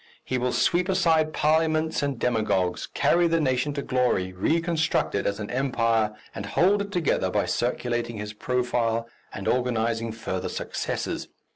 He will sweep aside parliaments and demagogues, carry the nation to glory, reconstruct it as an empire, and hold it together by circulating his profile and organizing further successes.